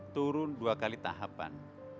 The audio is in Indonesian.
turun dua kali tahapan